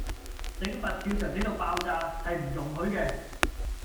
整佛跳牆整到爆炸，係唔容許嘅